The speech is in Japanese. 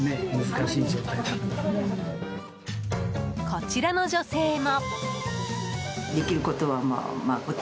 こちらの女性も。